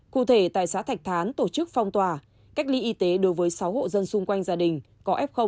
cụ thể tại xã thạch thán tổ chức phong tỏa cách ly y tế đối với sáu hộ dân xung quanh gia đình có f tại xóa một mươi một